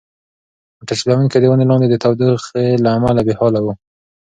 موټر چلونکی د ونې لاندې د تودوخې له امله بې حاله و.